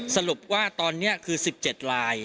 สรุปว่าตอนนี้คือ๑๗ลาย